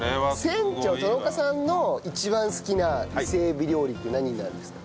船長殿岡さんの一番好きな伊勢エビ料理って何になるんですか？